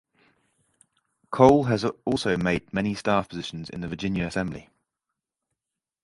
Cole has also had many staff positions in the Virginia Assembly.